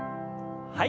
はい。